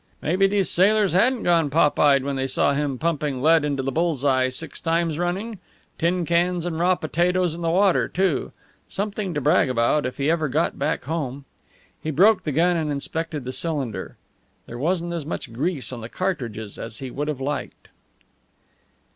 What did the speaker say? Maybe these sailors hadn't gone pop eyed when they saw him pumping lead into the bull's eye six times running? Tin cans and raw potatoes in the water, too. Something to brag about if he ever got back home. He broke the gun and inspected the cylinder. There wasn't as much grease on the cartridges as he would have liked.